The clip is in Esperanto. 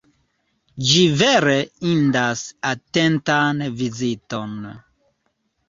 Ĝi vere indas atentan viziton.